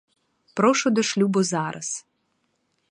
Прошу до шлюбу зараз.